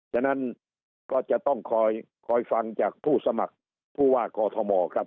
ฉะนั้นก็จะต้องคอยฟังจากผู้สมัครผู้ว่ากอทมครับ